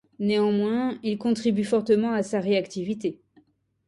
Néanmoins, il contribue fortement à sa réactivité.